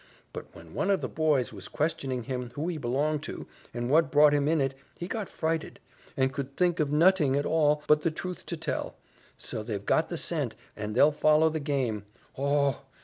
But when one of the boys was questioning him who he belonged to, and what brought him in it, he got frighted, and could think of noting at all but the truth to tell: so they've got the scent, and they'll follow the game. Ogh!